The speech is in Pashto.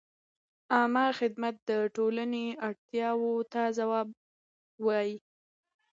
عامه خدمت د ټولنې اړتیاوو ته ځواب وايي.